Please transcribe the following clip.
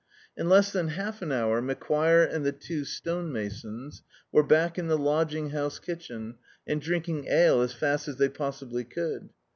In less than half an hour Macquire and the two stonemasons were back in the lodging house kitchen, and drinking ale as fast as they possibly could.